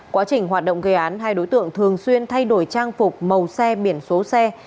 quá trình hoạt động gây án hai đối tượng thường xuyên thay đổi trang phục màu xe biển số xe